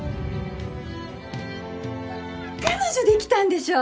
彼女できたんでしょ！？